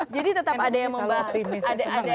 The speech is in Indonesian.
jadi tetap ada yang membahas